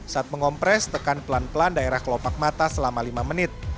saat mengompres tekan pelan pelan daerah kelopak mata selama lima menit